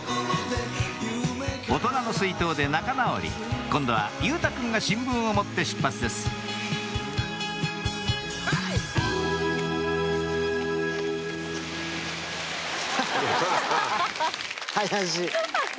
大人の水筒で仲直り今度は佑太くんが新聞を持って出発です怪しい！